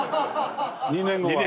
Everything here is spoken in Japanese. ２年後は。